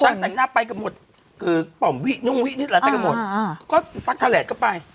ฉันแต่หน้าไปกันหมดคือป่อมวินุ่งวินิดละแต่ก็หมดก็ตั๊กทะแหลกก็ไป